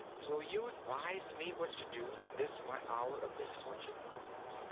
"Will you advise me what to do, in this my hour of misfortune?"